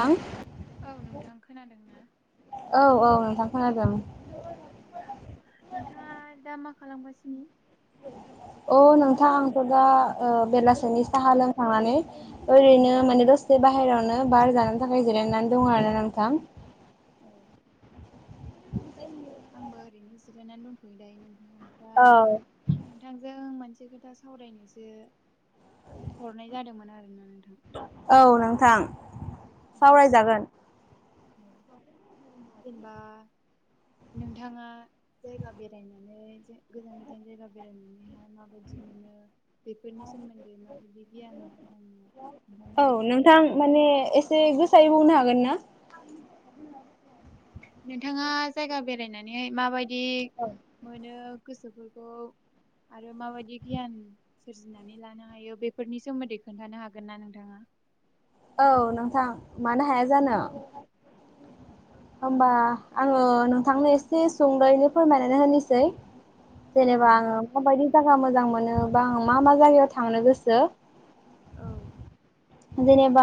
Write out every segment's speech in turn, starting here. हां औ नोंथां खोनादों ना। थां खोनादों। नोंथाङा दा मा खालामगासिनो? अ नोंथां आंथ दा ओ बेलासेनि साहा लोंखांनानै ओरैनो माने दसे बाहेरायावनो बार जानो थाखाय जि नानै दं आरो नोंथां। औ। आंबो ओरैनो जिरायनानै दथ'यो दाय नों औ। मोनसे खोथा सावरायनोसो हरनाय जादोंमोन आरोना नों औ नोंथां सावरायजागोन। जेनबा नोंथाङा जायगा बेरायनानै गोजान गोजान जायगा बेरायनानैहाय माबायदि मोनो बेफोरनि सोमोन्दै माबायदि गियान दो खोनथानो हागोन आं नोंथाङा? माने एसे गोसायै बुंनो हागोन ना। नोंथाङा जायगा बेरायनानैहाय माबायदि मोनो गोसोफोरखौ आरो माबायदि गियान सोरजिनानै लानो हायो बेफोरनि सोमोन्दै खोन्थानो हागोन ना नोंथाङा। औ नोंथां मानो हाया औ जानो होमबा आङो नोंथांनो एसे सुंदयैनो फोरमायनानै होनोसै। जेनेबा आं नोंथां माबायदि जागोन। मोजां मोनो बा आं मा मा जायगायाव थांनो गोसो औ। जेनेबा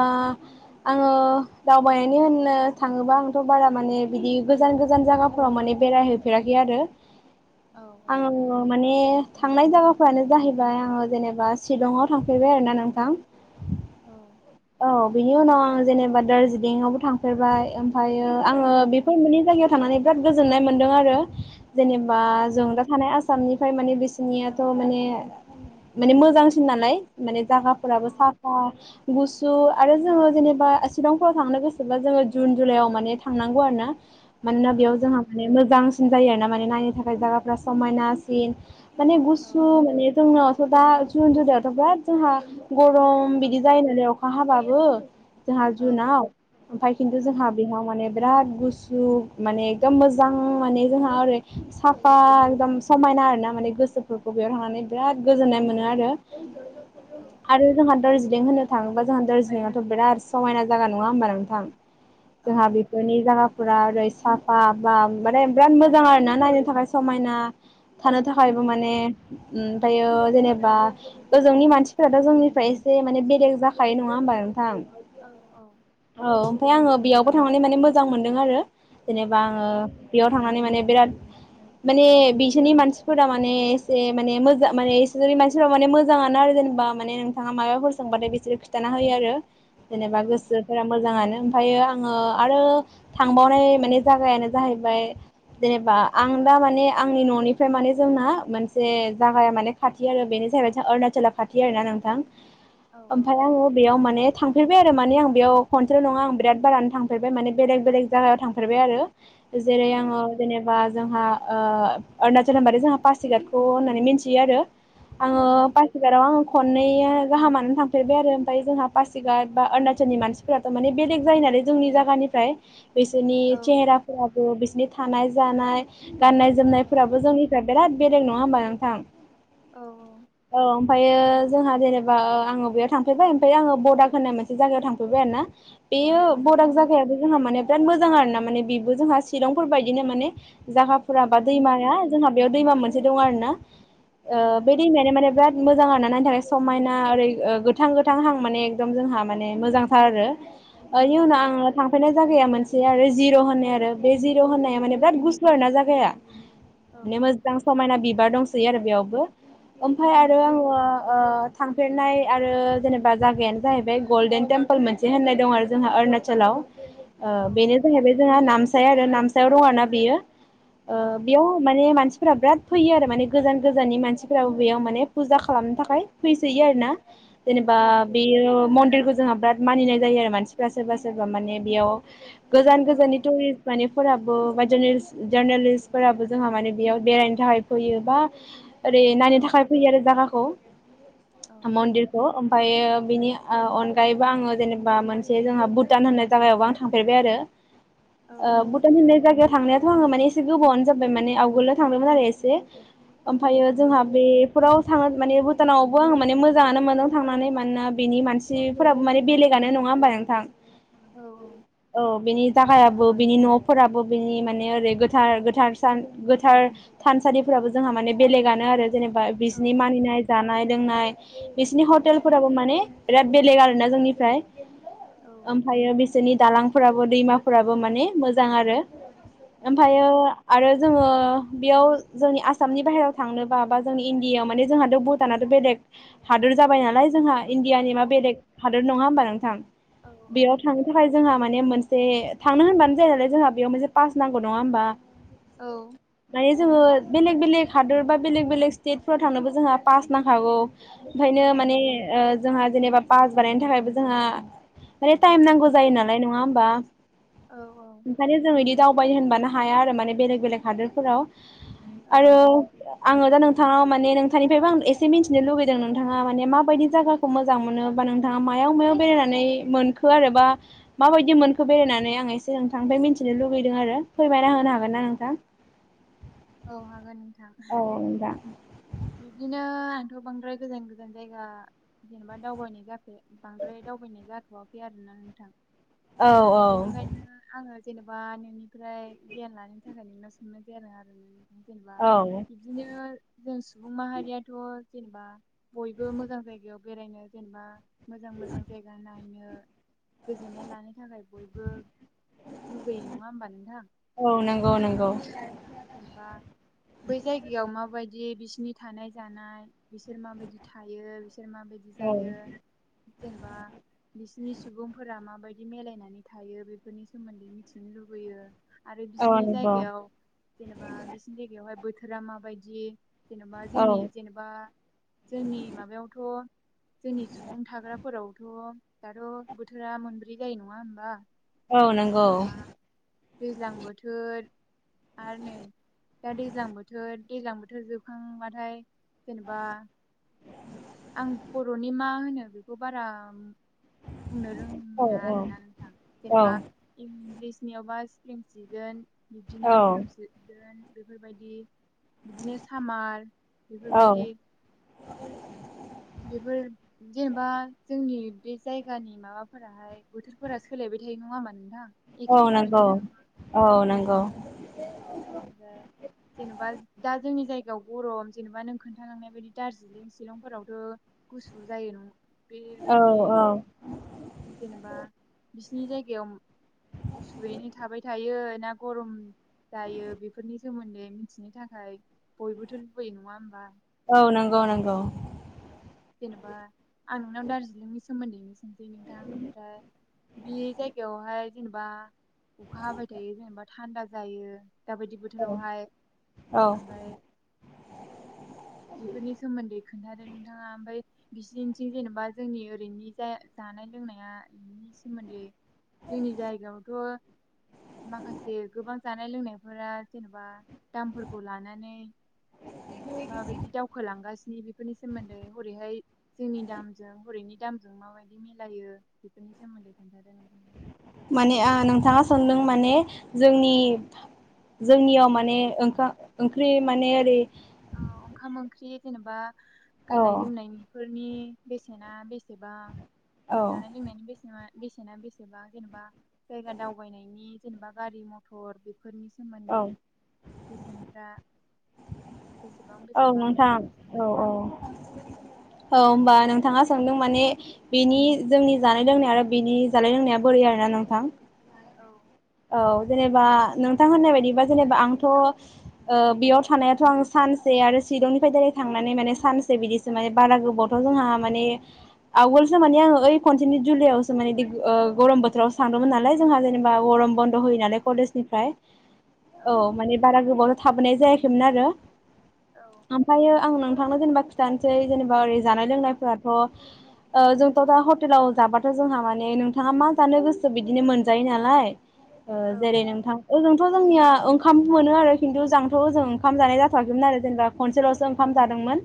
आङो दावबायनानै होननो थाङोबा आंथ' बारा माने बिदि गोजान गोजान जायगाफोराव माने बेराय हैफेराखै आरो औ आं माने बे थांनाय जायगाफ्रानो जाहैबाय आङो जेनेबा शिलंआव थांफेरबाय आरो ना नोंथां। औ औ बिनि उनाव आं जेनेबा दार्जिलिंआवबो थांफेरबाय ओमफ्रायो आङो औ बेफोर मोनै जायगायाव थांनानै बिराद गोजोननाय मोनदों आरो जेनेबा जों दा थानाय आसामनिफ्राय माने बिसिनियाथ' माने माने मोजांसिन नालाय। माने औ जायागाफोराबो साफा गुसु सु आरो जोङो जेनेबा शिलंफोराव थांनो गोसोब्ला जोङो जुन जुलाइआव माने थांनांगौ आरो ना। मानोना औ बेयाव जोंहा माने मोजांसिन जायो आर ना माने नायनो थाखाय जायगाफ्रा समायनासिन। माने गुसु मोने जोंना थ' दा जुन जुलाय यावथ बिराद जोंहा गरम बिदि जायो नालाय अखा हाबाबो जोंहा औ जुनाव ओमफाय खिन्थु जोंहा बेयाव माने बिराद गुसु माने एकदम मोजां माने जोंहा ओरै साफा एकदम समायना ना आरोना माने गोसोफोरखौ बेयाव थांनानै बिराद गोजोन्नाय मोनो आरो। औ आरो जोंहा दार्जिलिं होननो थाङोबा जोंहा दार्जिलिंआथ' बिराद समायना जायागा नङा होमबा नोंथां। जोंहा औ बेफोरनि जा फुरा ओरै साफा बा माने बिराद मोजां आरो ना नायनो थाखाय समायना थानो थाखायबो माने ओमफ्रायो जेनेबा गोजौनि मानसिफोराथ' जोंनिफ्राय एसे माने बेलेग जा खायो नङा होमबा नोंथां। औ औ। ओमफाय आङो बेयावबो थांनानै माने मोजां मोनदों आरो जेनेबा आङो बेयाव थांनानै माने बिराद माने बिसोरनि मानसिफोरा माने एसे माने मोजां माने बिसोरनि मानसिफोरा माने मोजाङानो आरो। जेनेबा माने नोंथाङा माबाफोर सोंबाथाय बिसोर हिथाना होयो आरो जेनेबा गोसोफोरा मोजाङानो ओमफ्रायायो ओ आरो थांबावनाय मानेजागायानो जाहैबाय जेनेबा आं दा माने आंनि न'निफ्राय माने जोंना मोनसे जागाया माने खाथि आरो बेनो जाहैबायों जाहा अरुणाचला खाथि आरोना नों नोंथां ओमफ्राय आंङो माने थांफेरबाय आरो माने आं बेयाव खनसेल' नङा आं बिराद बारानो थांफेरबाय माने बेलेग बेलेग जायगायाव थांफेरबाय आरो जेरै आंङो जेनेबा जोंहा ओ अरुणाचल होनबाथाय जोंहा पासिघातखौ होननानै मिन्थियो आरो। ओ आंङो पासिघाटयाव आंङो खननैय गाहामानो थांफेरबाय आरो। ओमफाय जोंहा पासिघाट बा अरुणाचलनि मानसिफोराथ' माने बेलेग जायोनालाय जोंनि जायगानिफ्राय बिसोरनि चेहेराफोराबो बिसोरनि थानाय जानाय गाननाय जोमनायफोराबो जोंनिफ्राय बिराद बेलेख नङा होमबा नोंथां? औ ओमफ्रायो जोंहा जेनेबा ओ आं बेयाव थां थांफैबाय ओमफ्राय आंङो बडाग होननाय मोनसे जायगायाव थांफेरबाय आरो ना बेयो बडक जायाबो जोंहा माने बिराद मोजां। मोजां आरो ना माने बेबो जोंहा शलंफोर बायदिनो माने जागाफोरा बा दैमाया जोंहा बेयाव दैमा मोनसे दंङो आरो ना ओ बे दैमानो माने बिराद मोजांङानो नायनो थाखाय समायना ओरै गो गोथां गोथां हां माने एकदम जोंहा माने मोजांथार आरो बेनि उनाव आंङो थांफैरनाय जागाया मोनसे आरो जिर' होननाय आरो बे जिर' होननाया माने बिराद गुसु आरोना जागाया। माने मोजां समायना बिबार दंसै आरो बेयावबो, ओमफाय आरो आंङो ओ थांफेरनाय आं आरो जेनेबा जायगायानोजाहोयबाय गलदेनटेमपोल होन्नाय मोनसे दंआरो जोंहा अरुनाचल आव। ओ बेनो जाहैबाय जोंहा नामसाय आरो नामसायाव दंओ आरो बेयो ओ बेयाव माने मानसि फोर बिराद फैयो आरो माने गोजान गोजाननि मानसिफोराबो बेयाव माने फुजा खालामनो थाखाय फैसोयो आरो ना। जेनेबा बेयो मन्दिर जोंहा बेराद मानिनाय जायो आरो मानसि फोरबा सोरबा माने बेयाव गोजान गोजान [unintelligible] फोराबो बा जार्नेलिस जार्नेलिस्टफोराबो जोंहा माने बेयाव बेरायनो थाखाय फैयो बा ओरै नायनो थाखाय फैयो आरो जायागाखौ। मन्दिरखौ ओम ओमफ्रायो बिनि ओ अनगायैबो आंङो जेनेबा मोनसे जोंहा भुटान होननाय जगायावबो आं थांफेरबाय आरो। औ ओ भुटान होननाय जायगायाव थांनायाथ' आङो माने एसे गोबावनो जाबाय माने आवगोलल' थांदोंमोन आरो एसे। ओमफ्रायो औ जोंहा बेफोराव थाङ माने भुटानावबो आं माने मोजां मोजांङानो मोनदों थांनानै मानोना बेनि मानसिफोराबो माने बेलेगनो नङा होमबा नोंथां? औ औ बेनि जायगायाबो बिनि न'फोराबो बिनि माने ओरै गोथार गोथारसान गोथार था थानसालिफोराबो जोंहा माने बेलेगआनो आरो जेनेबा बिसिनि हागोन मानिनाय जानाय लोंनाय बिसिनि हटेलफोराबो माने बिराद बेलेग आरोना जोंनिफ्राय ओमफ्रायायो बे बिसोरनि दालांफोराबो दैमाफोराबो माने मोजां आरो। आरो जोंङो बेयाव जोंनि आसामनि बाहेरायाव थांनोबा बा जोंनि इण्डियायाव माने जोंहाथ' भुटानाथ' बेलेग आं हादोर जाबाय नालाय जोंहा इण्डियानि मा बेलेग हादोर नंङा होमबा नोंथां। बेयाव थांनो थाखाय जोंहा माने माने मोनसे थांनो होनबानो जाया नालाय जोंहा बेयाव मोनसे पास नांगौ नङा होमबा? औ। जोंङो बेलेग बेलेग हादोर बा बेलेग बेलेग स्टेटफोराव थांनोबो जोंहा पास नांखागौ ओंखायनो माने ओ जोंहा जेनेबा पास बानायनो थाखायबो जोंहा माने टाइम नांगौ जायो नालाय नंङा होमबा ओंखायनो जों बिदि दावबायनो होनबानो हाया आरो माने बेलेग बेलेग हादरफोराव आरो आंङो दा नोंथाङा माने नोंथांनिफ्रायबो आं एसे मिथिनो लुबैयो जों नोंथाङा माने माबायदि जायगाखौ मोजां मोनो बा नोंथाङा मायाव मायाव बेरायनानै मोनखो आरोबा माबायदि मोनखो बेरायनानै आं एसे नोंथांनिफ्राय मिथिनो लुगैदों आरो फोरमायना होनो हागोन ना नोंथां? [inaudible] औ हागोन नोंथां औ नोंथां बिदिनो आंथ' बांद्राय गोजान गोजान जायगा जेनेबा दावबायनाय जायाखै बांद्राय दावबायनाय जाथ'वाखै आरो नोंथां औ औ बेनिखायनो आङो जेनेबा नोंनिफ्राय गियान लानो थाखाय नोंनाव सोंनोसै आरोना जेनेबा औ बिदिनो जों सुबुं माहारियाथ' जेनेबा बयबो मोजां जायगायाव बेरायनो जेनेबा मोजां मोजां जायगा नायनो गोजोननाय लानो थाखाय बयबो लुगैयो नङा होमबा नोंथां औ नंगौ नंगौ जेनेबा बै जायगायाव माबायदि बिसिनि थानाय जानाय बिसोर माबायदि थायो बि- सोर माबायदि औ जायो जेनेबा बि सिनि सुबुंफोरा माबायदि मिलायनानै थायो बेफोरनि सोमोन्दै मिथिनो लुबैयो आरो औ बिसिनि नंगौ जायगायाव जेनेबा बिसिनि जायगायावहाय बोथोरा माबायदि जेनेबा औ जोंनि जेनेबा जोंनि माबायावथ' जोंनि सुबुं थाग्रा फोरावथ' दाथ' बोथोरा मोनब्रै जायो नङा होमबा औ नंगौ जेनेबा दैज्लां बोथोर आरो नै दा दैज्लां बोथोर दैज्लां बोथोर जोबखांबाथाय जेनेबा आं बर'नि मा होनो बेखौ बारा बुंनो औ रोङा आरोना नोंथां औ जेनेबा इंलिसनियावबा स्प्रिं सिगोन बिबदिनो अथम सिगोन बेफोरबायदि बिदिनो सामार बेफोरबायदि औ बेफोर जेनेबा जोंनि बे जायगानि माबाफोराहाय बोथोरफोरा सोलायबाय थायो नङा होमबा नोंथां औ एखे थाबाय नंगौ थाया नङा औ नंगौ औ ओमफ्राय जेनेबा दा जोंनि जायगायाव गरम जेनेबा नों खोन्थाखांनाय बायदि दार्जिलिं सिलंफोरावथ' गुसु जायो नङा औ बेबायदि औ जेनेबा बिसिनि जायगायाव गुसुयैनो थाबाय थायो ना गरम दायो बेफोरनि सोमोन्दै मिथिनो थाखाय बयबोथ' लुबैयो नङा होमबा औ नंगौ नंगौ जेनेबा आं नोंनाव दार्जिलिंनि सोमोन्दै नोंथां ओमफ्राय बे जायगायावहाय जेनेबा अखा हाबाय थायो जेनेबा थान्दा जायो। दाबायदि औ बोथोरावहाय औ ओमफ्राय बेफोरनि सोमोन्दै खोन्थादों नोंथाङा ओमफ्राय बिसिनिथिं जेन'बा जोंनि ओरैनि जानाय लोंनाया सोमोन्दै जोंनि जायगायावथ' माखासे गोबां जानाय लोंनायफोरा जेनेबा दामफोरखौ लानानै माबायदि दावखोलांगासिनो बेफोरनि सोमोन्दै हरैहाय जोंनि दामजों हरैनि दामजों माबायदि मिलायो बेफोरनि सोमोन्दै खोन्थादो नोंथाङा माने नोंथाङा सोंदों माने जोंनि जोंनियाव माने ओंख्रि माने ओरै ओंखाम ओंख्रि जेनेबा औ गाननाय जोमनायनि फोरनि बेसेना बेसेबां औ जानाय लोंनायनि बेसेना बेसेना बेसेबां जेनेबा जायगा दावबायनायनि जेनेबा गारि मथर बेफोरनि औ सोमोन्दै बेसेनफ्रा बेसेबां औ बेसेबां नोंथां बेफोरनि औ सोमोन्दै औ औ होमबा नोंथाङा सोंदों माने बेनि जोंनि जानाय लोंनाय आरो बेनि जानाय लोंनाया बोरै आरोना नोंथां औ औ जेनेबा नोंथां होननाय बायदिबा जेबा आंथ बेयाव थानायाथ' आं सानसे आरो शिरलंनिफ्राय डाइरेक्ट थांनानै माने सानसे बिदिसो माने बारा गोबावथ' जोंहा माने आवगोलसो माने आङो ओइ खनसेनि जुलाइआवसो माने गरम बोथोरावसो थांदोंमोन नालाय जोंहा जेनेबा गरम बन्द होयोनालाय केजनिफ्राय औ माने बारा गोबाव थाबोनाय जायाखैमोन आरो औ ओमफ्रायो आं नों थांनो जेनेबा खिथानोसै जेनेबा ओरै जानाय लोंनायफोराथ' जोंथ' दा हटेलाव जाबाथ' जोंहा माने नोंथाङा मा जानो गोसो बिदिनो मोनजायो नालाय औ जेरै नोंथां ओजोंथ' जोंनिया ओंखाम मोनो आरो खिन्थु ओजांथ' ओजों ओंखाम जानाय जाथ'वाखैमोन आरो जेनेबा खनसेल'सो ओंखाम जादोंमोन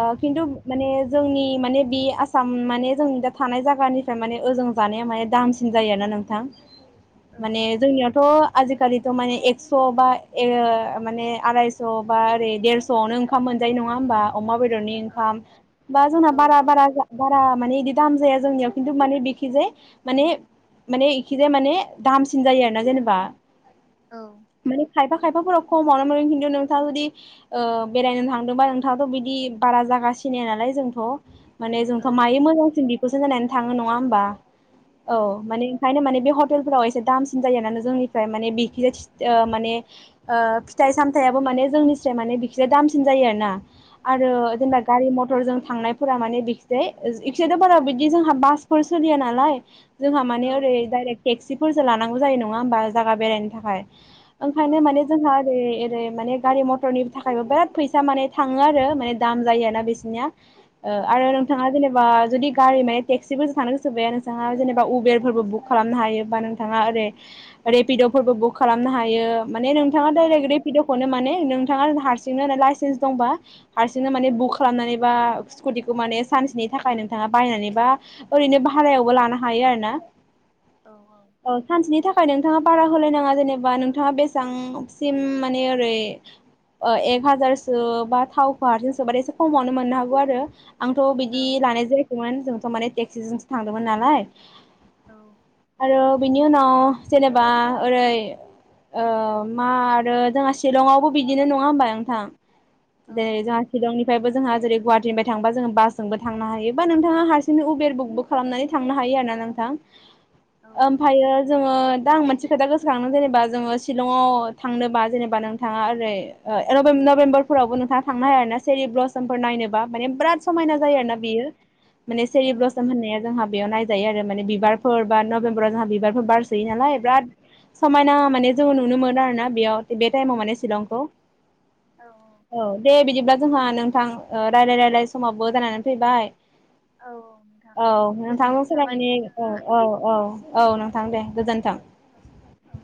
औ खिन्थु माने जोंनि माने बे आसाम माने जोंनि दा थानाय जायगानिफ्राय माने ओजों जानाया माने दामसिन जायोना नोंथां [unintelligible] माने जोंनियावथ' आजिखालिथ' माने एक्स' बा माने आरायस' बा ओरै देरस'आवनो ओंखाम मोनो मोनजायो नङा होमबा अमा बेदर नि ओंखाम बा जोंहा औ बारा-बारा बारा माने इदि दाम जाअया जोंनियाव खिन्थु माने बेखि इखिजाय माने माने इखिजाय माने दामसिन जायो आरो ना जेनेबा औ माने खायफा खायफाफोराव खमावनो मोनो खिन्थु नोंथाङा जुदि बेरायनो थांदोंबा नोंथाङाबो बिदि बारा जागासिनो नालाय जोंथ' माने जोंथ' औ औ मायो मोजांसिन बेखौसो नायनानै थाङो नङा होमबा औ माने ओंखायनो माने बे हटेलफोरा एसे दामसिन जायो जोंनिफ्राय माने बेखिज माने फिथाइ सामथाबो माने जोंनि साय बिखिजाप दामसिन जायोना आरो औ जेनेबा गारि मटरजोंव। थांनायफोरा माने बिखिजाय इखिजाय बारा बिदि जोंहा बासफोर सोलिया नालाय जोंहा माने ओरै औ डाइरेक्ट टेक्सिफोरसो लानांगौ जायो नङा होमबा जायगा बेरायनो थाखाय औ ओंखायनो माने जोंहा ओरै माने गारि मथरनि थाखायबो बिराद फैसा माने थाङो आरो माने दाम जायो ना बिसिनिया आरो नोंथाङा जेनेबा जुदि गारि माने टेक्सिबोसो थानो गोसोबाया नोंथाङा जेनेबा उबेरफोरबो बुक खालामनो हायो बा नों थाङा ओरै रेपिड' फोरबो बुक खालामनो हायो माने नोंथाङा डाइरेक्ट रेपिद'खौनो माने नोंथाङा हारसिंनो लाइसेन्स दंबा हारसिंनो माने बुक खालामनानैबा स्कुटिखौ सानसे नि थाखाय नोंथाङा बायनानैबा ओरैनो भारायावबो लानो हायो आरोना औ औ औ सानसेनि थाखाय नोंथाङा बारा होलायनाङा जेनेबा नोंथाङा बेसेबांसिम माने ओरै एक हाजारसो बा थावखौ हारसिंसोबा एसे खमावनो मोननो हागौ आरो आंथ' बिदि लानाय जायाखैमोन जोंथ' माने टेक्सिजोंसो थांदोंमोन नालाय औ आरो बिनि उनाव जेनेबा ओरै मा आरो जोंहा शिलंआवबो बिदिनो नङा होमबा नोंथां जेरै जोंहा शिलंनिफ्रायबो जोंहा जेरै गुवाहा टिनिफ्राय थांबा जोङो बासजोंबो थांनो हायो बा नोंथाङा हारसिंनो उबेर बुकबो खालामनानै थांनो हायो आरो ना नोंथां औ ओमफ्रायो जोङो दा आं मोनसे खोथा गोसोखांदों जेनेबा जोङो शिलंङाव थांनोबा जेनेबा नोंथाङा ओरै एलबेम नभेम्बरफोरावबो नोंथाङा थांनो हायाना आरोना सेरि ब्लसमफोर नायनोबा माने बिराद समायना जायो आरोना बियो माने सेरि ब्लसम होननाया जोंहा बेयाव नाय जायो आरो माने बिबारफोर बा नबेम्बराव जोंहा बिबारफोर बारसोयो नालाय बिराद समायना माने जों नुनो मोनो आरो ना बेयाव बे टाइमाव माने शिलंखौ औ औ दे बिदिब्ला जोंहा नोंथां रायज्लाय रायलाय समावबो जानानै फैबाय औ नोंथां औ नोंथांजों गोजोननाय थाबाय सावरायनानै नोंथाङा औ औ औ औ नोंथां दे गोजोन्थों औ